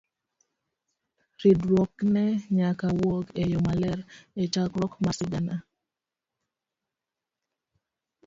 Ridruokne nyaka wuog eyo maler echakruok mar sigana.